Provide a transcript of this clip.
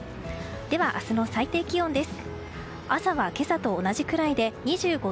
では、明日の最低気温です。